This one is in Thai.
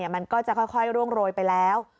มันก็จะค่อยร่วงโรยไปแล้ว